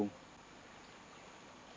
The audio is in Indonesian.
dalam waktu singkat itu